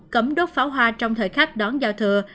cấm đốt pháo hoa trong thời khắc đón giao thừa